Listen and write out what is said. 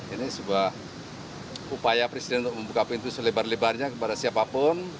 ini sebuah upaya presiden untuk membuka pintu selebar lebarnya kepada siapapun